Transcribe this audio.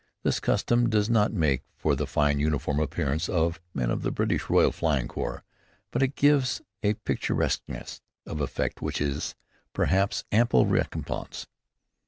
This custom does not make for the fine uniform appearance of the men of the British Royal Flying Corps, but it gives a picturesqueness of effect which is, perhaps, ample recompense.